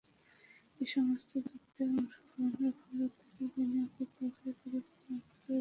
এ সমস্ত যুদ্ধে অংশগ্রহণের ফলে তারা রণ-অভিজ্ঞতায় পরিপূর্ণ অভিজ্ঞ হয়ে ওঠে।